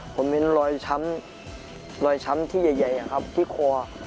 ผมเห็นรอยช้ำที่ใหญ่ครับที่ควอ